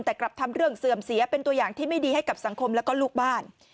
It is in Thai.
แต่กลับทำเรื่องเสื่อมเสียเป็นตัวอย่างที่ไม่ดีให้กับสังคมแล้วก็ลูกบ้าน